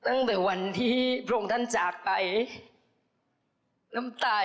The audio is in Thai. ของท่านได้เสด็จเข้ามาอยู่ในความทรงจำของคน๖๗๐ล้านคนค่ะทุกท่าน